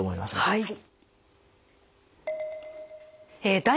はい。